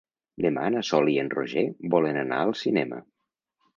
Demà na Sol i en Roger volen anar al cinema.